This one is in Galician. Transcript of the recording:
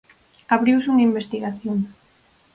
Abriuse unha investigación.